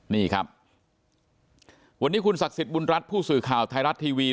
นี่ครับวันนี้คุณศักดิ์สิทธิบุญรัฐผู้สื่อข่าวไทยรัฐทีวี